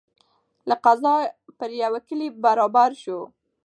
له قضا پر یوه کلي برابر سو